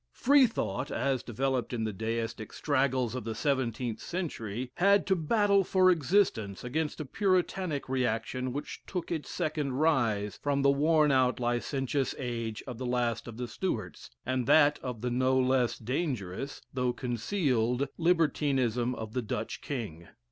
Freethought, as developed in the Deistic straggles of the seventeenth century, had to battle for existence against the Puritanic reaction which took its second rise from the worn out licentious age of the last of the Stuarts, and that of the no less dangerous (though concealed) libertinism of the Dutch king.